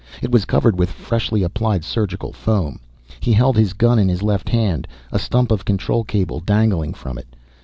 It was covered with freshly applied surgical foam. He held his gun in his left hand, a stump of control cable dangling from it.